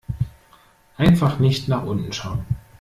Einfach nicht nach unten schauen.